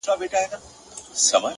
پوهه د غوره انتخاب سرچینه ده،